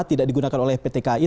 tidak digunakan oleh pt kai